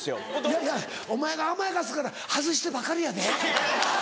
いやいやお前が甘やかすから外してばかりやで。